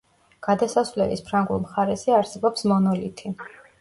გადასასვლელის ფრანგულ მხარეზე არსებობს მონოლითი.